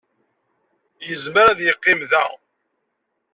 Yezmer ad yeqqim da.